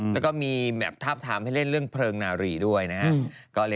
แล้วก็มีแมพทาบทามให้เล่นเรื่องเพลิงนารีด้วยนะครับ